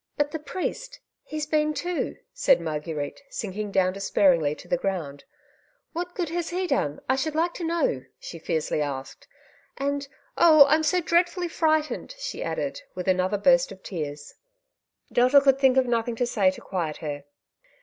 " But the priest ; he's been too," said Marguerite, sinking down despairingly to the ground. '^ What good has he done, I should like to know ?" she fiercely asked. ''And, oh, I'm so dreadfully frightened," she added, with another burst of tears. Delta could think of nothing to say to quiet her.